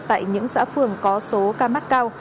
tại những xã phường có số ca mắc cao